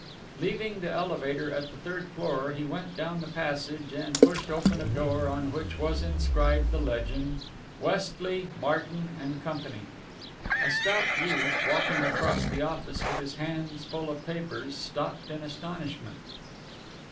Leaving the elevator at the third floor, he went down the passage, and pushed open a door on which was inscribed the legend, "Westley, Martin & Co." A stout youth, walking across the office with his hands full of papers, stopped in astonishment.